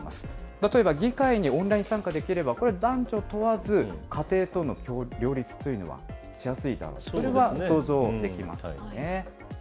例えば、議会にオンライン参加できれば、これは男女問わず、家庭との両立というのがしやすいと、これは想像できますよね。